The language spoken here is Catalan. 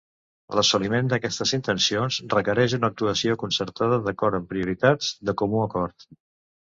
L'assoliment d'aquestes intencions requereix una actuació concertada d'acord amb prioritats de comú acord.